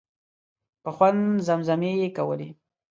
په خوند زمزمې یې کولې.